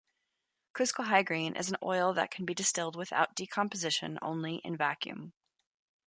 Cuscohygrine is an oil that can be distilled without decomposition only in vacuum.